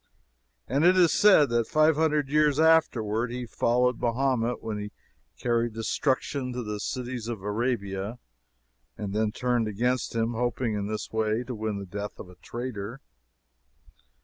And it is said that five hundred years afterward he followed Mahomet when he carried destruction to the cities of Arabia, and then turned against him, hoping in this way to win the death of a traitor.